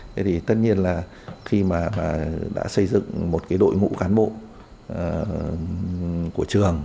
thế thì tất nhiên là khi mà đã xây dựng một cái đội ngũ cán bộ của trường